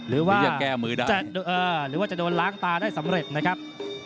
หรือว่าจะโดนล้างตาได้สำเร็จนะครับ